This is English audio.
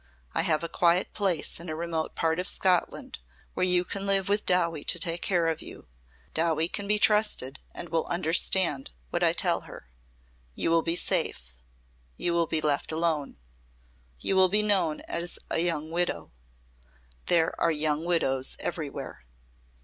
I have a quiet place in a remote part of Scotland where you can live with Dowie to take care of you. Dowie can be trusted and will understand what I tell her. You will be safe. You will be left alone. You will be known as a young widow. There are young widows everywhere."